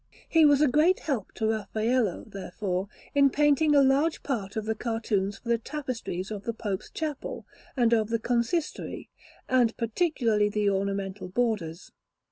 He was a great help to Raffaello, therefore, in painting a large part of the cartoons for the tapestries of the Pope's Chapel and of the Consistory, and particularly the ornamental borders.